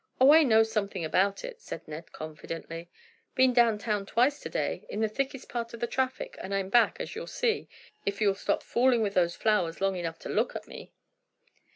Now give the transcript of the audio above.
"Oh, I know something about it," said Ned confidently, "been downtown twice to day in the thickest part of the traffic, and I'm back, as you'll see, if you'll stop fooling with those flowers long enough to look at me."